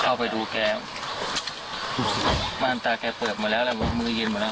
เข้าไปดูแกวมาร์นตาแกเปิดมาแล้วแล้วก็มือเย็นมาแล้ว